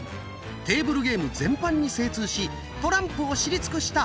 テーブルゲーム全般に精通しトランプを知り尽くした達人！